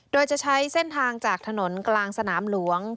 โดยจะใช้เส้นทางจากถนนกลางสนามหลวง